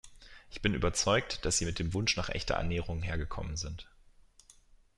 Ich bin überzeugt, dass Sie mit dem Wunsch nach echter Annäherung hergekommen sind.